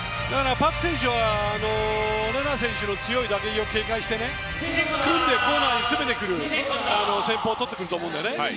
パク選手はＲＥＮＡ選手の強い打撃を警戒して組んでコーナーに攻めてくる戦法をとってくると思う。